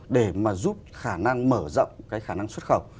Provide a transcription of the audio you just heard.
để mà giúp khả năng mở rộng cái khả năng xuất khẩu